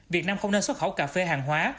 việt nam không nên xuất khẩu cà phê hàng hóa